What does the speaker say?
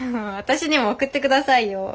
私にも送ってくださいよ。